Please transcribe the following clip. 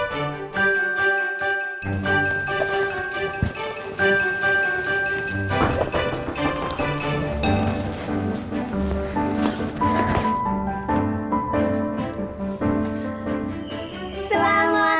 selamat pagi prinses rena